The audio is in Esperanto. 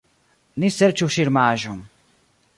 Ni serĉu ŝirmaĵon.